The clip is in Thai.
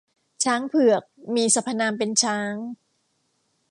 ช้างเผือก มีสรรพนามเป็นช้าง